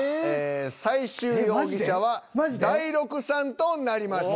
最終容疑者は大六さんとなりました。